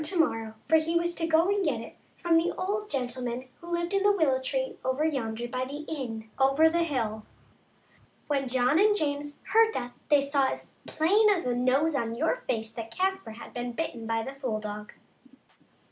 it to them to morrow, for he was to go and get it then from the old gentleman who lived in the willow tree over yonder by the inn over the hill. When John and James heard that they saw as plain as the nose on your face that Caspar had been bitten by the fool dog.